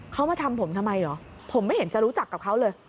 เขามาทำผมทำไมเหรอผมไม่เห็นจะรู้จักกับเขาเลย